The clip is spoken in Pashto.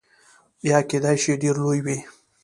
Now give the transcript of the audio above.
یا کیدای شي ډیر لوی وي.